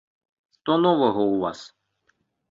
Што новага ў вас?